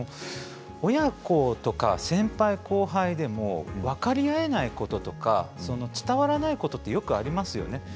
親子とか先輩、後輩でも伝わらないこと分かり合えないことってありますよね。